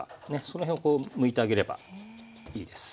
その辺をこうむいてあげればいいです。